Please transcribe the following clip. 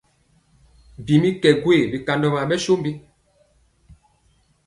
Bi mi kɛ gwee bikandɔ byen ɓɛ sombi?